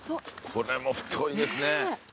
これも太いですね。